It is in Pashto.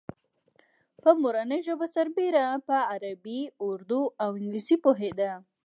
په مورنۍ ژبه سربېره په عربي، اردو او انګلیسي پوهېده.